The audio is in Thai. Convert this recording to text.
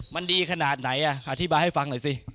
มันดีขนาดไหนอธิบายให้ฟังหน่อยสิ